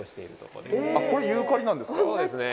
これユーカリなんですか